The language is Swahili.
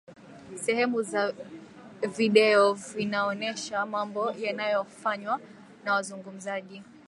sehemu za video vinaonesha mambo yanayofanywa na wazungumzaji